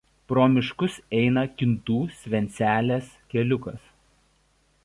Pro miškus eina Kintų–Svencelės keliukas.